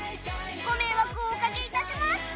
ご迷惑をお掛けいたします